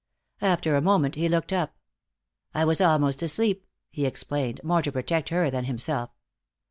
After a moment he looked up. "I was almost asleep," he explained, more to protect her than himself.